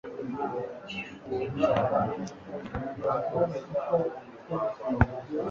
Bashidikanyaga ko badashobora gukosora ibyo binyoma byari biri gukwirakwizwa ahabakije.